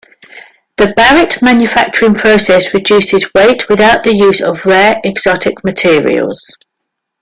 The Barrett manufacturing process reduces weight without the use of rare, exotic materials.